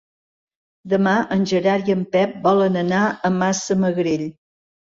Demà en Gerard i en Pep volen anar a Massamagrell.